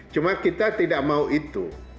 cuma kita tidak mau itu